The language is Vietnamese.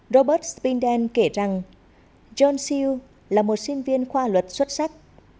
robert spindel kể rằng john seale là một sinh viên khoa luật xuất sắc